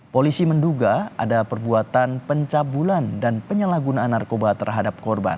polisi menduga ada perbuatan pencabulan dan penyalahgunaan narkoba terhadap korban